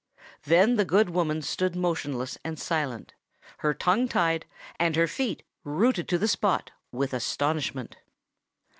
Then the good woman stood motionless and silent—her tongue tied, and her feet rooted to the spot, with astonishment.